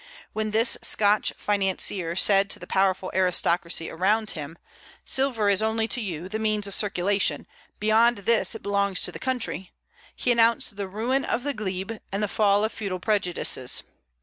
When this Scotch financier said to the powerful aristocracy around him, 'Silver is only to you the means of circulation, beyond this it belongs to the country,' he announced the ruin of the glebe and the fall of feudal prejudices.